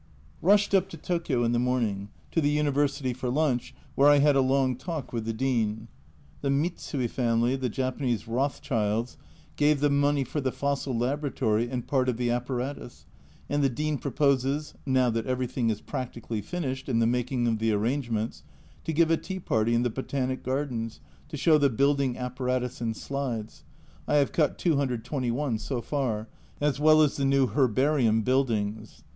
Rushed up to Tokio in the morning ; to the University for lunch, where I had a long talk with the Dean. The Mitsui family (the Japanese Rothschilds) gave the money for the fossil laboratory and part of the apparatus, and the Dean proposes (now that everything is practically finished in the making of the arrangements) to give a tea party in the Botanic Gardens to show the building apparatus and slides (I have cut 221 so far), as well as the new herbarium buildings.